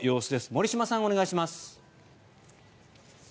森嶋さん、お願いします。